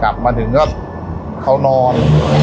กลับมาถึงก็เขานอน